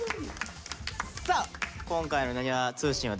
さあ今回の「なにわ通信」はですね